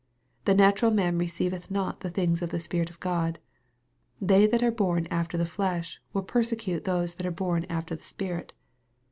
" The natural man receive th not the things of the Spirit of Clod." They that are "born after the flesh" will persecute those that are " born after the Spirit."